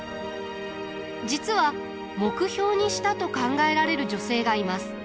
実は目標にしたと考えられる女性がいます。